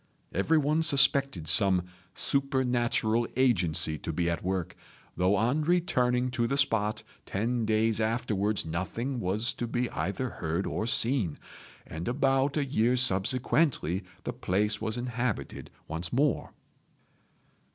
Everyone suspected some supernatural agency to be at work, though on returning to the spot ten days afterwards nothing was to be either heard or seen; and about a year subsequently the place was inhabited once more."